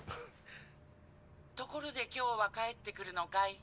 ところで今日は帰ってくるのかい？